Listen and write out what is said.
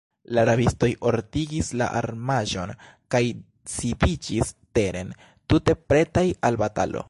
La rabistoj ordigis la armaĵon kaj sidiĝis teren, tute pretaj al batalo.